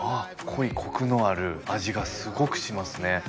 濃いコクのある味がすごくしますね。